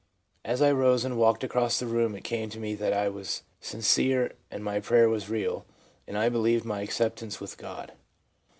As I rose and walked across the room it came to me that I was sincere and my prayer was real, and I believed my acceptance with God.'